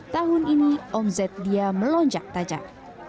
tahun ini omset dia melonjak tajam